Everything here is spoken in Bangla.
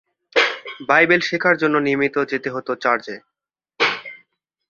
বাইবেল শেখার জন্য নিয়মিত যেতে হতো চার্চে।